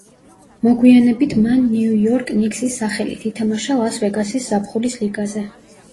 მოგვიანებით მან ნიუ-იორკ ნიქსის სახელით ითამაშა ლას-ვეგასის ზაფხულის ლიგაზე.